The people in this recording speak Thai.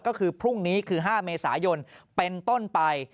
ก็คือพรุ่งนี้คือ๕เมษายนเป็นต้นไป